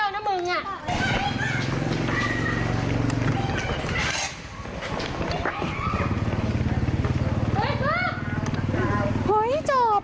ป้าหนี